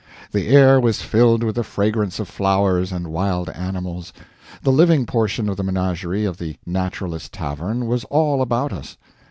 The air was filled with the fragrance of flowers and wild animals; the living portion of the menagerie of the "Naturalist Tavern" was all about us.